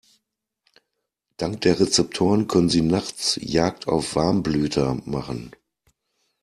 Dank der Rezeptoren können sie nachts Jagd auf Warmblüter machen.